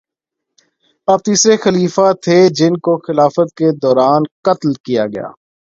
آپ تیسرے خلیفہ تھے جن کو خلافت کے دوران قتل کیا گیا